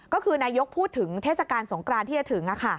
ก็คือนายกพูดถึงเทศกาลสงกรานที่จะถึง